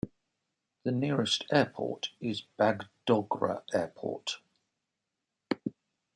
The nearest airport is Bagdogra airport.